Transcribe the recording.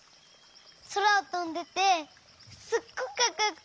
そらをとんでてすっごくかっこよくて。